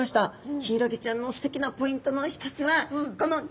ヒイラギちゃんのすてきなポイントの一つはこのきらめきです。